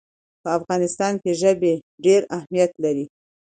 په افغانستان کې ژبې ډېر اهمیت لري.